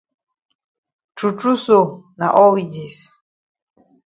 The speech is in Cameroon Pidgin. True true so na all we dis.